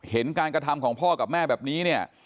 เห็นการกระทำของพ่อกับแม่แบบนี้เนี่ย